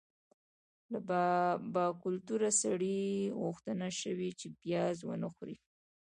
له باکلتوره سړي غوښتنه شوې چې پیاز ونه خوري.